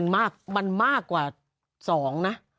มันมากกว่า๒นะ